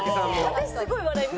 私すごい笑いますよ。